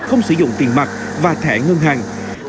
không sử dụng tiền mặt và thẻ ngân hàng